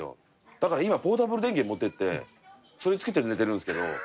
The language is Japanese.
だから今ポータブル電源持っていってそれ着けて寝てるんですけど。